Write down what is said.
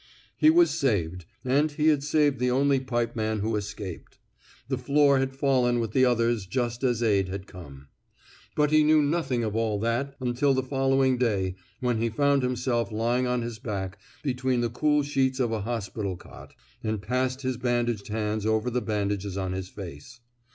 He was saved, and he had saved the only pipeman who escaped; the floor had fallen with the others just as aid had come. But he knew nothing of all that until the fol lowing day when he found himself lying on his back between the cool sheets of an hos pital cot, and passed his bandaged hands over the bandages on his face.